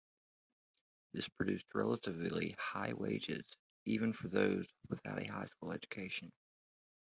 This produced relatively high wages, even for those without a high school education.